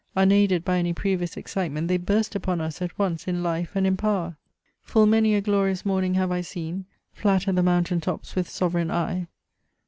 Unaided by any previous excitement, they burst upon us at once in life and in power, "Full many a glorious morning have I seen Flatter the mountain tops with sovereign eye."